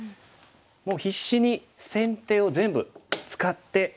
もう必死に先手を全部使って。